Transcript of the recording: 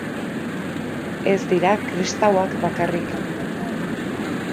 Ez dira kristauak bakarrik.